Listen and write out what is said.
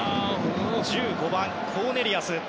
１５番、コーネリアス。